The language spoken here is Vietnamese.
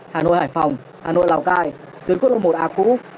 hà nội hải phòng hà nội lào cai tuyến quốc lộ một a cũ